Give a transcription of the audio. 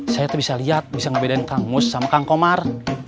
saya tuh bisa lihat bisa ngebedain kang mus sama kang komar